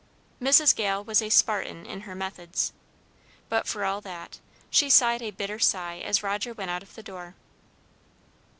Mrs. Gale was a Spartan in her methods, but, for all that, she sighed a bitter sigh as Roger went out of the door.